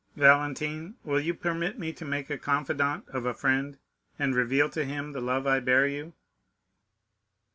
Valentine, will you permit me to make a confidant of a friend and reveal to him the love I bear you?"